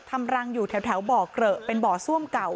ทำรังอยู่แถวบ่อเกลอะเป็นบ่อซ่วมเก่า